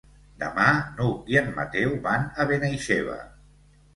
Demà n'Hug i en Mateu van a Benaixeve.